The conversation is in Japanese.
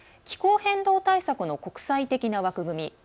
気候変動対策の国際的な枠組み